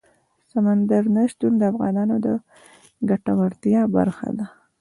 سمندر نه شتون د افغانانو د ګټورتیا برخه ده.